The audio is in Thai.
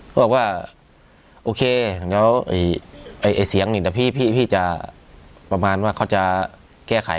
บอกว่าโอเคเดี๋ยวเสียงนี่แต่พี่จะประมาณว่าเขาจะแก้ไข